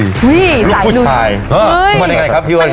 อุ้ยสายลุยลูกผู้ชายเฮ้ยมันยังไงครับพี่ว่านครับ